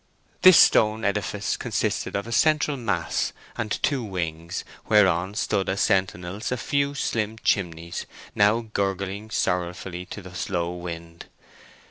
This stone edifice consisted of a central mass and two wings, whereon stood as sentinels a few slim chimneys, now gurgling sorrowfully to the slow wind.